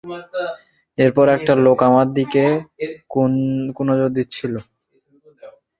এরপর একটা লোক আমার দিকে কুনজর দিচ্ছিল।